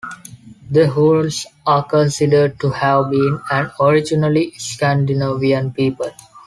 The Heruls are considered to have been an originally Scandinavian people.